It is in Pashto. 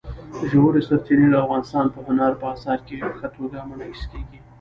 ژورې سرچینې د افغانستان په هنر په اثار کې په ښه توګه منعکس کېږي.